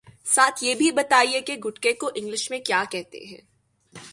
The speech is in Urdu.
ساتھ یہ بھی بتائیے کہ گٹکے کو انگلش میں کیا کہتے ہیں